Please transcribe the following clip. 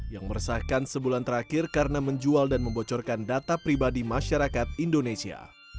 yang meresahkan sebulan terakhir karena menjual dan membocorkan data pribadi masyarakat indonesia